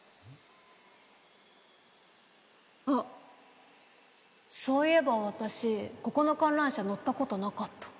あっそういえば私ここの観覧車乗ったことなかった。